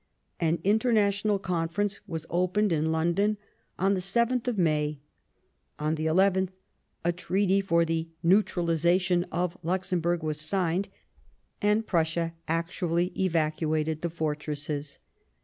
An International Conference was opened in London on the 7th of May ; on the nth, a Treaty for the neutralization of Luxemburg was signed, and Prussia actually evacuated the fortresses.